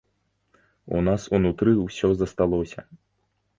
У нас унутры ўсё засталося.